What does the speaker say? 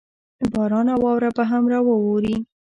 باران او واوره به هم راووري.